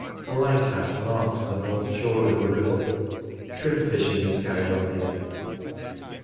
A lighthouse marks the north shore of the Ribble. Shrimp fishing is carried on here.